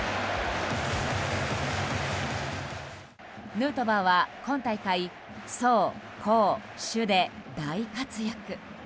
ヌートバーは今大会走攻守で大活躍。